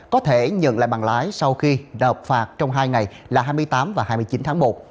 có thể nhận lại bằng lái sau khi rạp phạt trong hai ngày là hai mươi tám và hai mươi chín tháng một